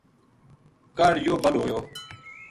کاہڈ یوہ بَل ہویو